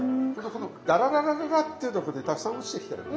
このダラララララっていうのがねたくさん落ちてきたらね